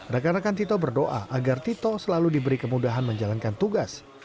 rekan rekan tito berdoa agar tito selalu diberi kemudahan menjalankan tugas